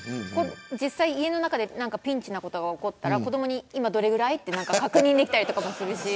実際家の中でピンチなことが起こったら子どもに、今どれぐらいって確認できたりするし。